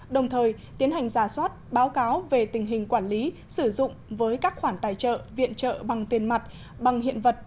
đồng thời tiến hành giả soát báo cáo về tình hình quản lý sử dụng với các khoản tài trợ viện trợ bằng tiền mặt bằng hiện vật